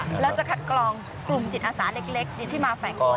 แล้วจะคัดกรองกลุ่มจิตอาสาเล็กที่มาแฝงตัว